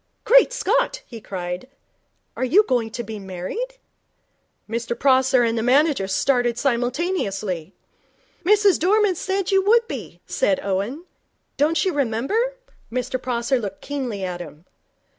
'Great Scott!' he cried. 'Are you going to be married?' Mr Prosser and the manager started simultaneously. 'Mrs Dorman said you would be,' said Owen. 'Don't you remember?' Mr Prosser looked keenly at him.